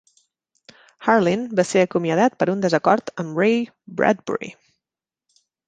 Harlin va ser acomiadat per un desacord amb Ray Bradbury.